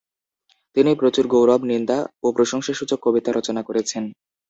তিনি প্রচুর গৌরব, নিন্দা ও প্রশংসাসূচক কবিতা রচনা করেছেন।